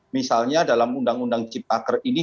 misalnya dalam undang undang cipta kerja ini